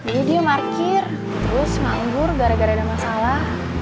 dia markir terus nganggur gara gara ada masalah